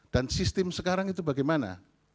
dan sistem sekarang itu bagaimana